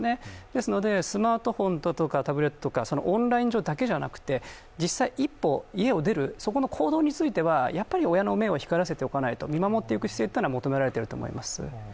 ですのでスマートフォンだとかタブレットとかオンライン上だけじゃなくて実際、一歩家を出る、そこの行動については親の目を光らせておかないと見守る姿勢が求められると思います。